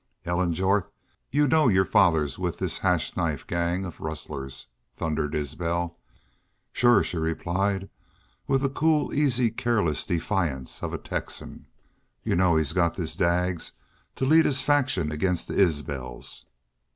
"Ellen Jorth, you know your father's in with this Hash Knife Gang of rustlers," thundered Isbel. "Shore," she replied, with the cool, easy, careless defiance of a Texan. "You know he's got this Daggs to lead his faction against the Isbels?"